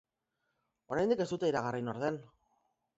Oraindik ez dute iragarri nor den.